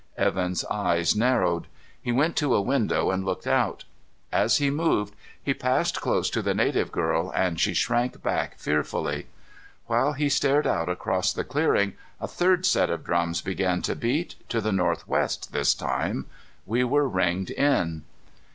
Evan's eyes narrowed. He went to a window and looked out. As he moved, he passed close to the native girl, and she shrank back fearfully. While he stared out across the clearing, a third set of drums began to beat to the northwest, this time. We were ringed in.